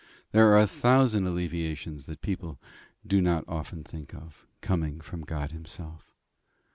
There are a thousand alleviations that people do not often think of, coming from God himself.